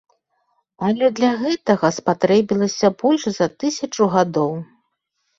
Але для гэтага спатрэбілася больш за тысячу гадоў.